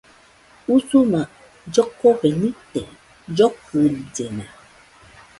Usuma llokofe nite, llokɨrillena